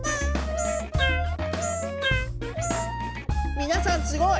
みなさんすごい！